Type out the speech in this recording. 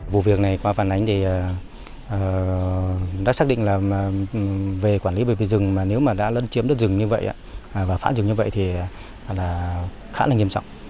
vụ việc này qua phản ánh thì đã xác định là về quản lý bởi vì rừng mà nếu mà đã lân chiếm đất rừng như vậy và phá rừng như vậy thì khá là nghiêm trọng